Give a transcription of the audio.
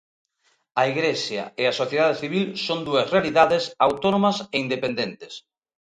A Igrexa e a sociedade civil son dúas realidades autónomas e independentes.